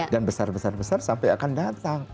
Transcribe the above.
dan besar besar sampai akan datang